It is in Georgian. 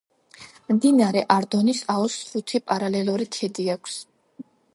მდინარე არდონის აუზს ხუთი პარალელური ქედი აქვს.